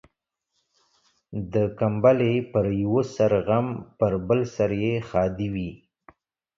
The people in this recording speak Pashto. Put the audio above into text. د کمبلي پر يوه سر غم ، پر بل سر يې ښادي وي.